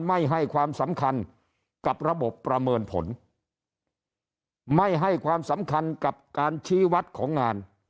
ไม่ให้ความสำคัญกับระบบประเมินผลไม่ให้ความสำคัญกับการชี้วัดของงาน